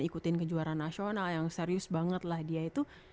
ikutin kejuaraan nasional yang serius banget lah dia itu